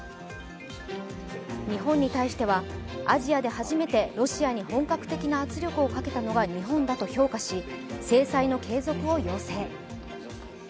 日本に対しては、アジアで初めてロシアに本格的な圧力をかけたのが日本だと評価し制裁の継続を要請。